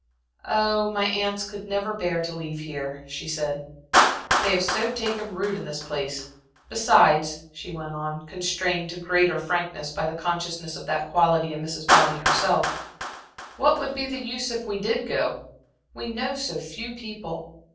"Oh, my aunts could never bear to leave here," she said. "They have so taken root in this place. Besides," she went on, constrained to greater frankness by the consciousness of that quality in Mrs. Bobby herself "what would be the use if we did go? We know so few people.